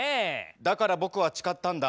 「だから僕は誓ったんだ。